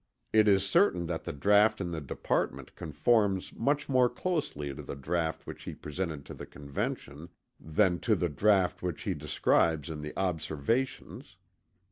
It is certain that the draught in the Department conforms much more closely to the draught which he presented to the Convention than to the draught which he describes in the Observations.